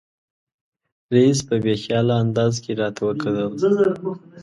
رییس په بې خیاله انداز کې راته وکتل.